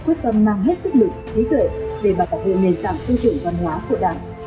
quyết tâm mang hết sức lực trí tuệ để bảo vệ nền tảng tiêu chuẩn văn hóa của đảng